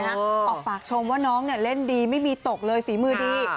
ออกปากชมว่าน้องเล่นดีไม่มีตกเลยฝีมือดี